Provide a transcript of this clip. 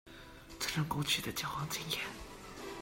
尊重過去的交往經驗